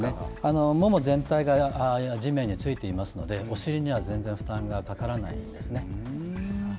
もも全体が地面についていますのでお尻には全然負担がかからないんです。